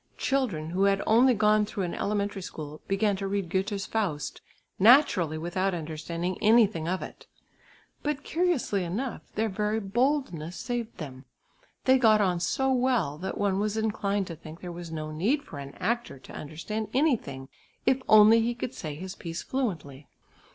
Children who had only gone through an elementary school, began to read Goethe's Faust, naturally without understanding anything of it. But curiously enough, their very boldness saved them; they got on so well that one was inclined to think there was no need for an actor to understand anything, if only he could say his piece fluently.